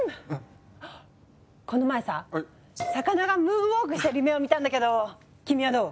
この前さ魚がムーンウォークしてる夢を見たんだけど君はどう？